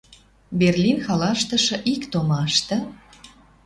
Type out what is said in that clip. Берлин халаштыш ик томашты